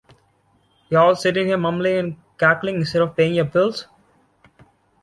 Y'all sitting here mumbling and cackling instead of paying your bills?